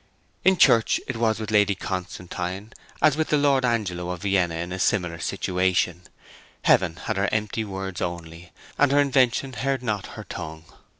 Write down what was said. In church it was with Lady Constantine as with the Lord Angelo of Vienna in a similar situation Heaven had her empty words only, and her invention heard not her tongue.